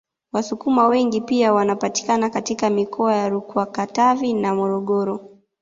Wasukuma wengi pia wanapatikana katika mikoa ya RukwaKatavi na Morogoro